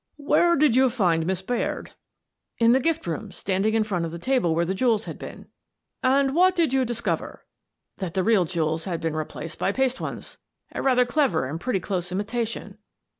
"Where did you find Miss Baird?" " In the gift room, standing in front of the table where the jewels had been." " And what did you discover? "" That the real diamonds had been replaced by paste ones — a rather clever and pretty close imi tation."